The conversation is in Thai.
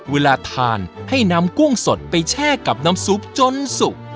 เวลาทานให้นำกุ้งสดไปแช่กับน้ำซุปจนสุก